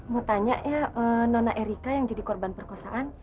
mau tanya ya nona erika yang jadi korban perkosaan